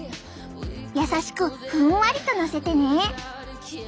優しくふんわりとのせてね。